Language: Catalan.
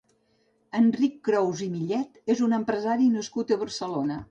Enric Crous i Millet és un empresari nascut a Barcelona.